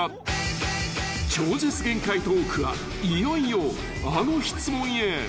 ［超絶限界トークはいよいよあの質問へ］